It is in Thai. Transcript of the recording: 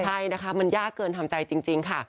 ใช่นะคะมันยากเกินทำใจจริงค่ะ